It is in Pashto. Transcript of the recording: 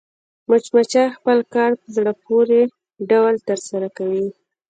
مچمچۍ خپل کار په زړه پورې ډول ترسره کوي